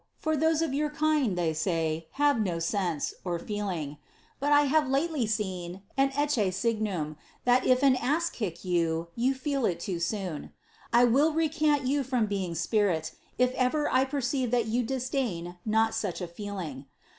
For those of your kind (they say) have no atnm (feeling). But I have lately seen an ecce ngniim, that if an ass kick you, you feel it tuo soon. I will recant you from being spirit^ if ever I perceive that you dis dain not such a feeling.